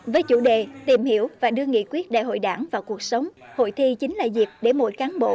với chủ đề tìm hiểu và đưa nghị quyết đại hội đảng vào cuộc sống hội thi chính là dịp để mỗi cán bộ